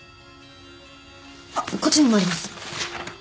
あっこっちにもあります。